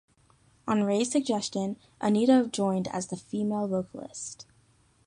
On Ray's suggestion, Anita joined as the female vocalist.